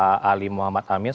kami bersama pak ali muhammad amin